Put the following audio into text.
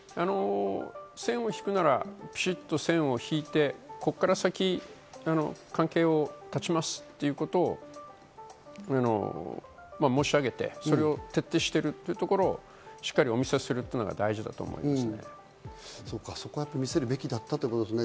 線を引くなら、きちっと引いて、こっから先、関係を断ちますっていうことを申し上げて、それを徹底してるっていうところをしっかりお見せするっていうのが大事だと思います。